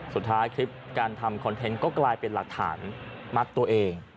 สุดท้ายคลิปการทำคอนเทนต์ก็กลายเป็นหลักฐานมัดตัวเอง